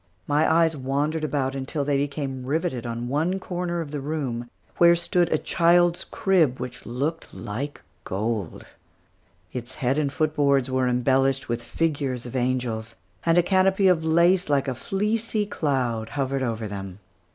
My eyes wandered about until they became riveted on one corner of the room, where stood a child's crib which looked like gold. Its head and foot boards were embellished with figures of angels; and a canopy of lace like a fleecy cloud hovered over them.